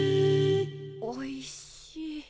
おいしい。